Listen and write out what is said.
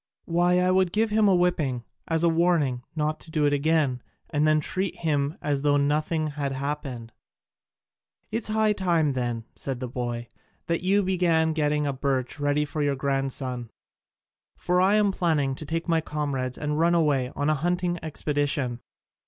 "Why, I would give him a whipping, as a warning not to do it again, and then treat him as though nothing had happened." "It is high time then," said the boy, "that you began getting a birch ready for your grandson: for I am planning to take my comrades and run away on a hunting expedition."